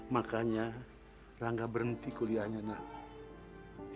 makanya rangga berhenti kuliahnya nak